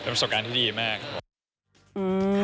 เป็นประสบการณ์ที่ดีมากครับ